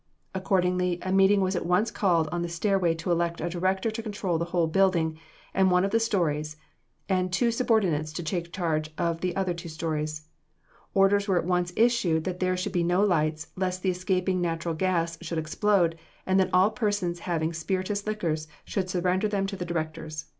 Accordingly, a meeting was at once called on the stairway to elect a director to control the whole building and one of the stories, and two subordinates to take charge of the other two stories. Orders were at once issued that there should be no lights, lest the escaping natural gas should explode, and that all persons having spirituous liquors should surrender them to the directors.